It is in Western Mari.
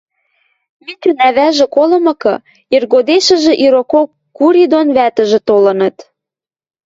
Митюн ӓвӓжӹ колымыкы, иргодешӹжӹ ирокок Кури дон вӓтӹжӹ толыныт.